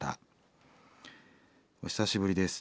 「お久しぶりです」。